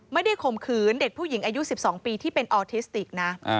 ข่มขืนเด็กผู้หญิงอายุ๑๒ปีที่เป็นออทิสติกนะ